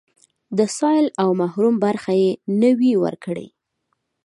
د سايل او محروم برخه يې نه وي ورکړې.